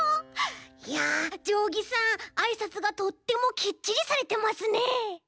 いやじょうぎさんあいさつがとってもキッチリされてますね。